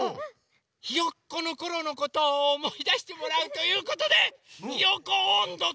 ひよっこのころのことをおもいだしてもらうということで「ひよこおんど」っていうのはどう？